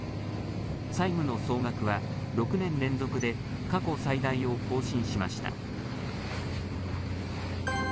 債務の総額は、６年連続で過去最大を更新しました。